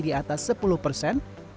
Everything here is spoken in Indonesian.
di atas sepuluh persen